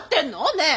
ねえ！